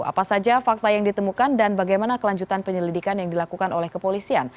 apa saja fakta yang ditemukan dan bagaimana kelanjutan penyelidikan yang dilakukan oleh kepolisian